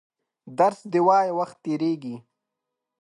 درس دي وایه وخت تېرېږي!